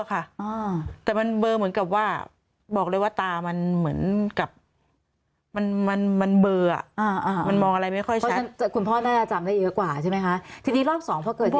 คุณพ่อน่าจำได้เยอะกว่าใช่ไหมคะ